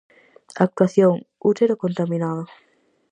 Actuación "Útero contaminado".